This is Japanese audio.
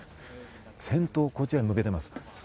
先頭をこちらに向けています。